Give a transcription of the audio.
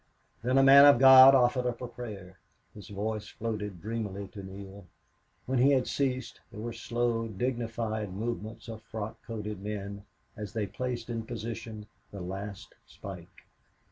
Then a man of God offered up a prayer. His voice floated dreamily to Neale. When he had ceased there were slow, dignified movements of frock coated men as they placed in position the last spike.